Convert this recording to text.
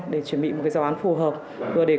để chuẩn bị một giáo án phù hợp vừa để